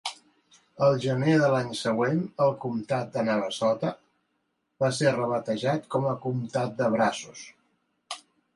Al gener de l'any següent, el comtat de Navasota va ser rebatejat com a comtat de Brazos.